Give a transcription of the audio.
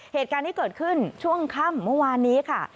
เหตุการณ์ที่เกิดขึ้นช่วงค่ำเมื่อวานนี้ค่ะ